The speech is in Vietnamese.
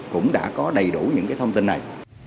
cũng đã có đầy đủ những cái thông tin này